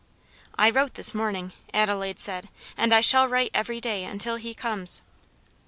"I wrote this morning," Adelaide said, "and I shall write every day until he comes."